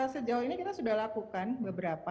sejauh ini kita sudah lakukan beberapa